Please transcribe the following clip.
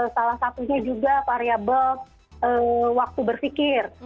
salah satunya juga variable waktu berpikir